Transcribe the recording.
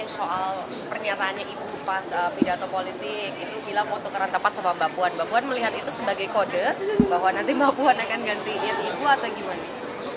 soal pernyataannya ibu pas pidato politik itu bilang foto karena tempat sama mbak puan mbak puan melihat itu sebagai kode bahwa nanti mbak puan akan gantiin ibu atau gimana